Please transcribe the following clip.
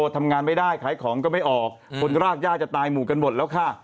ทำงานไม่ได้ขายของก็ไม่ออกคนรากย่าจะตายหมู่กันหมดแล้วค่ะ